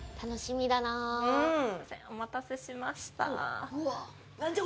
お待たせしました。